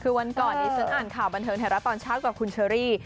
คือวันก่อนดิฉันอ่านข่าวบันเทิงไทยรัฐตอนเช้ากับคุณเชอรี่